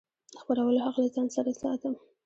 د خپرولو حق له ځان سره ساتم.